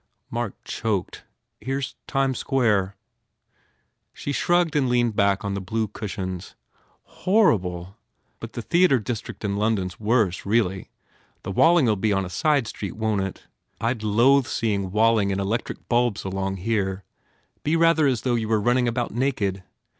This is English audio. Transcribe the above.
Mark choked, "Here s Times Square." She shrugged and leaned back on the blue cush ions. "Horrible! But the theatre district in London s worse, really. The Walling ll be on a side street, won t it? I d loathe seeing Walling 152 GURDY in electric bulbs along here. Be rather as though you were running about naked.